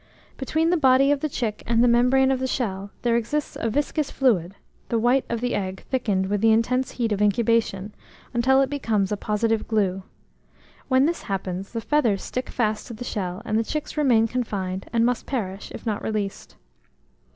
Between the body of the chick and the membrane of the shell there exists a viscous fluid, the white of the egg thickened with the intense heat of incubation, until it becomes a positive glue. When this happens, the feathers stick fast to the shell, and the chicks remain confined, and must perish, if not released."